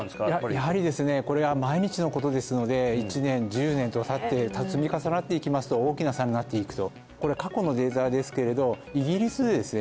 やはりですねこれは毎日のことですので１年１０年とたって積み重なっていきますと大きな差になっていくとこれは過去のデータですけれどイギリスでですね